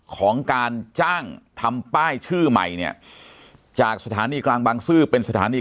ของการจ้างทำป้ายชื่อใหม่เนี่ยจากสถานีกลางบางซื่อเป็นสถานี